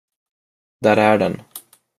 Där är den.